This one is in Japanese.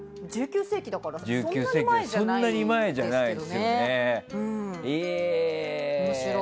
１９世紀だからそんなに前じゃないですけどね。